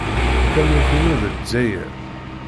Tamurt-inu d Lezzayer.